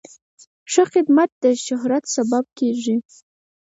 ښه خدمت د شهرت سبب کېږي.